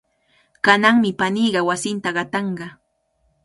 Kananmi paniiqa wasinta qatanqa.